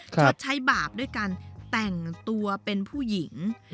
ชดใช้บาปด้วยการแต่งตัวเป็นผู้หญิง